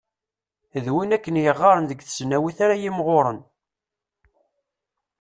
D win akken i yeɣɣaren deg tesnawit ara yimɣuren.